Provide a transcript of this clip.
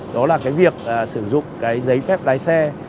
đó là cái việc sử dụng cái giấy phép lái xe